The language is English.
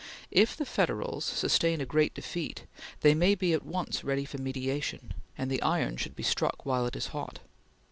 If the Federals sustain a great defeat, they may be at once ready for mediation, and the iron should be struck while it is hot.